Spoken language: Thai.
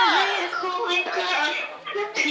อย่าให้คุยกับที่อยากมีสิ่งอื่นอื่นใหม่